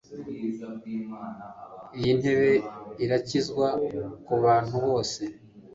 Iyi ntebe irakizwa kubantu bose?